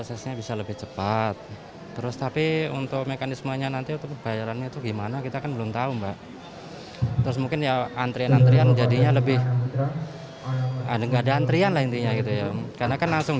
evisian mungkin dari segi di lapangan